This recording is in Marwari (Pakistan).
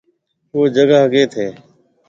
او جگھا ڪيٿ هيَ؟